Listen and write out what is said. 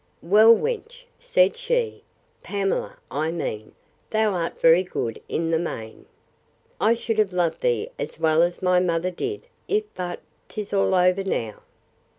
Well, wench, said she; Pamela, I mean; thou art very good in the main!—I should have loved thee as well as my mother did—if—but 'tis all over now!